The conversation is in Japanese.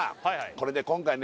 これね今回ね